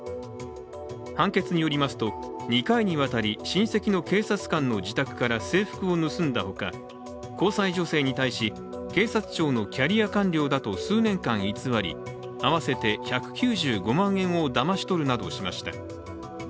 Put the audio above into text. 判決によりますと、２回にわたり親戚の警察官の自宅から制服を盗んだほか、交際女性に対し警察庁のキャリア官僚だと偽り数年間偽り、合わせて１９５万円をだまし取るなどしました。